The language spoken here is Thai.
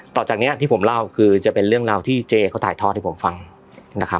ต่อจากนี้ที่ผมเล่าคือจะเป็นเรื่องราวที่เจเขาถ่ายทอดให้ผมฟังนะครับ